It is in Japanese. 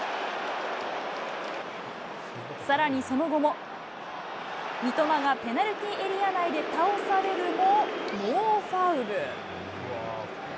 さらに、その後も、三笘がペナルティーエリア内で倒されるも、ノーファウル。